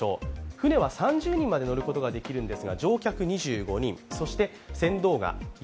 舟は３０人まで乗ることができます。